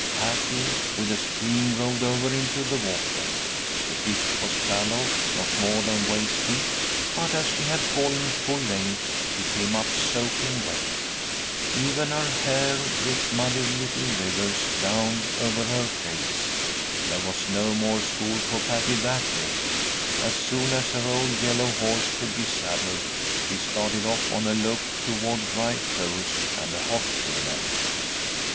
Patty, with a scream, rolled over into the water. The ditch was shallow, not more than waist deep, but as she had fallen full length, she came up soaking wet. Even her hair dripped muddy little rivers down over her face. There was no more school for Patty that day. As soon as her old yellow horse could be saddled, she started off on a lope toward dry clothes and a hot dinner.